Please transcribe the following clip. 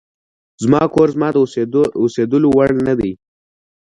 زما کور زما د اوسېدلو وړ نه دی.